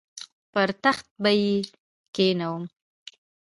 پر تخت به یې کښېنوم.